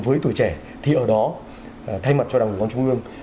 với tuổi trẻ thì ở đó thay mặt cho đảng quỳnh công an trung ương